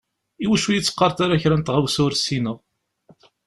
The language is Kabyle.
Iwacu ur yi-d-teqqareḍ kra n tɣawsa ur ssineɣ?